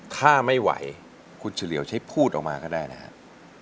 ถ้าไม่ไหวคุณเฉลี่ยวใช้พูดออกมาก็ได้นะครับ